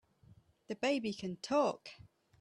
The baby can TALK!